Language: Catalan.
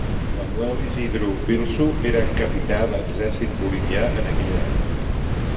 Manuel Isidro Belzu era capità de l'exèrcit bolivià en aquella època.